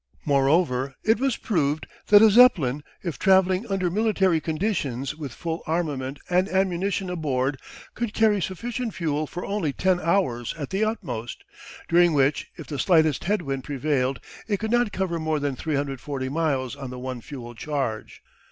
Moreover, it was proved that a Zeppelin, if travelling under military conditions with full armament and ammunition aboard, could carry sufficient fuel for only ten hours at the utmost, during which, if the slightest head wind prevailed, it could not cover more than 340 miles on the one fuel charge.